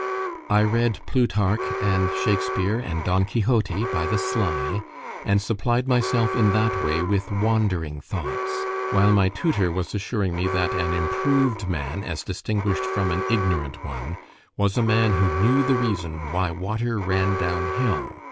I read Plutarch, and Shakespeare, and Don Quixote by the sly, and supplied myself in that way with wandering thoughts, while my tutor was assuring me that "an improved man, as distinguished from an ignorant one, was a man who knew the reason why water ran downhill."